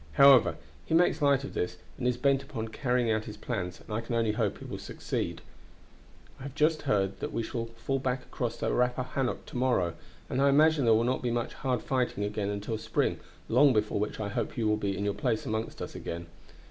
However, he makes light of this, and is bent upon carrying out his plans, and I can only hope he will succeed. "I have just heard that we shall fall back across the Rappahannock to morrow, and I imagine there will not be much hard fighting again until spring, long before which I hope you will be in your place among us again.